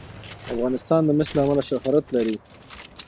افغانستان د مس له امله شهرت لري.